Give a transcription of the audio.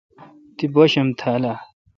تی باشم تھال اؘ۔